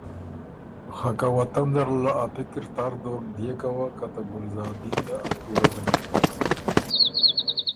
خه که وطن زره له ا پِکِر تر دوک ديېکه وه که ته ګلزادین ده ا تُوره ګه نک بُک۔